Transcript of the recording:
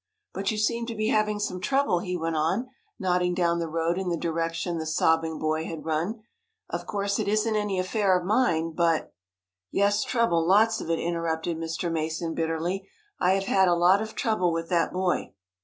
But you seem to be having some trouble," he went on, nodding down the road in the direction the sobbing boy had run. "Of course it isn't any affair of mine, but " "Yes, trouble! Lots of it!" interrupted Mr. Mason bitterly. "I have had a lot of trouble with that boy."